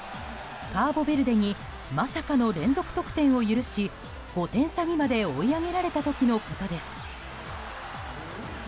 カーボベルデにまさかの連続得点を許し５点差にまで追い上げられた時のことです。